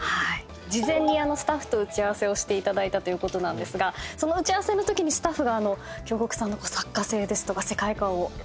事前にスタッフと打ち合わせをしていただいたんですがその打ち合わせのときにスタッフが京極さんの作家性ですとか世界観を表しているなと思った語録。